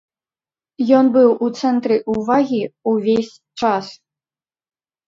Ён быў у цэнтры ўвагі ўвесь час.